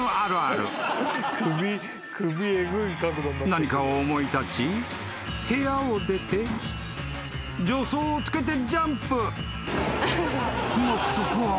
［何かを思い立ち部屋を出て助走をつけてジャンプ］